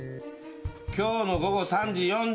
今日の午後３時４５分。